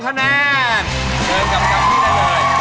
เชิญกลับกับพี่ได้เลย